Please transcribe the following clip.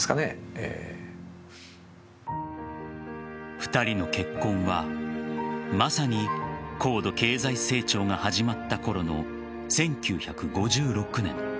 ２人の結婚はまさに高度経済成長が始まったころの１９５６年。